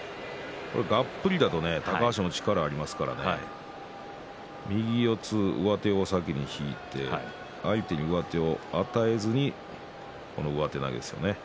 がっぷりだと高橋も力がありますから右四つ、上手を先に引いて相手に上手を与えずに上手投げですよね。